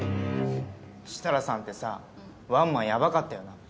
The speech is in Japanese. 設楽さんってさワンマンやばかったよな。